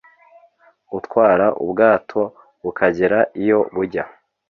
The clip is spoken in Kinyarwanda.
utwara ubwato bukagera iyo bujya